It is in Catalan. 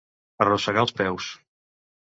Arrossegar els peus.